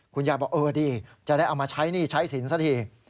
คุณยายบอกเออดิจะได้เอามาใช้หนี้ใช้สินสักที